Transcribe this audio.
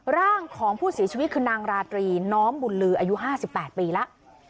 ร่างของผู้เสียชีวิตคือนางราตรีน้อมบุญลืออายุ๕๘ปีแล้ว